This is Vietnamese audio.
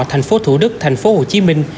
thành phố thủ đức thành phố hồ chí minh